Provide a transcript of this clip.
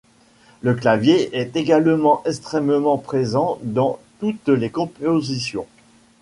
Le clavier est également extrêmement présent dans toutes les compositions.